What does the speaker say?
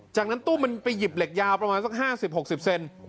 จากนั้นตุ้มมันไปหยิบเหล็กยาประมาณสักห้าสิบหกสิบเซน